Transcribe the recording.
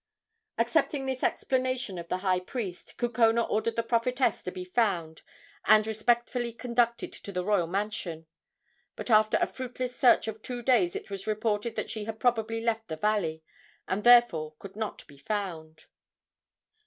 Accepting this explanation of the high priest, Kukona ordered the prophetess to be found and respectfully conducted to the royal mansion; but after a fruitless search of two days it was reported that she had probably left the valley, and therefore could not be found.